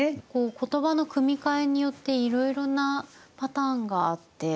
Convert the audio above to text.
言葉の組み替えによっていろいろなパターンがあって。